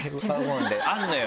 あるのよ